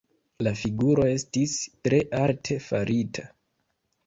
La figuro estis tre arte farita.